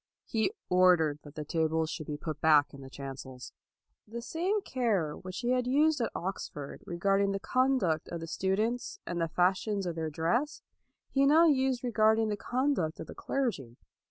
He ordered that the tables should be put back in the chancels. The same care which he had used at Oxford regarding the conduct of the students, and the fashions of their dress, he now used regarding the con duct of the clergy.